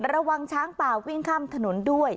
ระวังช้างป่าวิ่งข้ามถนนด้วย